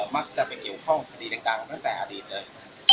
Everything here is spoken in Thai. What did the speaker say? มักจะเป็นอยู่ข้องคดีในกลางตั้งแต่อดีตเลย